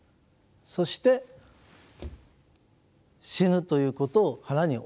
そして死ぬということを腹に収める。